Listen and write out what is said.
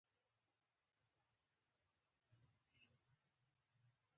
لاهور بیرته د سیکهانو لاسته ورغی.